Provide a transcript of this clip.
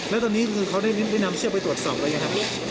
แล้วตอนนี้เขาได้นำเชือกไปตรวจสอบอะไรอย่างนี้ครับ